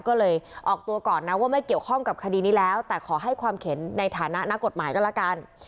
ก็เลยออกตัวก่อนนะว่าไม่เกี่ยวข้องกับคดีนี้แล้วแต่ขอให้ความเข็นในฐานะนักกฎหมายก็แล้วกัน